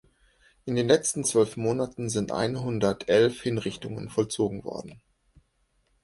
In den letzten zwölf Monaten sind einhundertelf Hinrichtungen vollzogen worden.